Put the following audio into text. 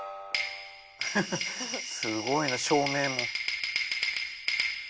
すごいな照明も。